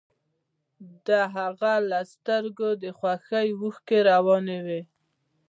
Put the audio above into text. د هغه له سترګو د خوښۍ اوښکې روانې وې